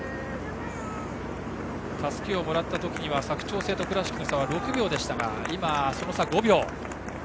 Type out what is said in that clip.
たすきをもらった時には佐久長聖と倉敷の差は６秒でしたが今、その差は５秒。